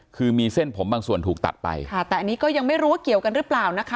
คือมีเส้นผมบางส่วนถูกตัดไปค่ะแต่อันนี้ก็ยังไม่รู้ว่าเกี่ยวกันหรือเปล่านะคะ